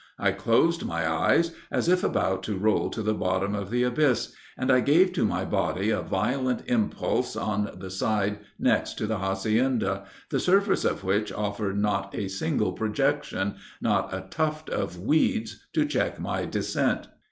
I closed my eyes, as if about to roll to the bottom of the abyss, and I gave to my body a violent impulse on the side next to the hacienda, the surface of which offered not a single projection, not a tuft of weeds to check my descent.